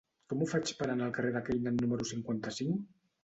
Com ho faig per anar al carrer de Canaan número cinquanta-cinc?